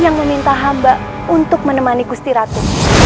yang meminta hamba untuk menemani gusti ratu